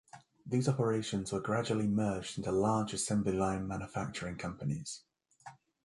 These operations were gradually merged into large assembly-line manufacturing companies.